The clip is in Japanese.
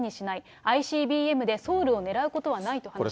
ＩＣＢＭでソウルを狙うことはないと話してます。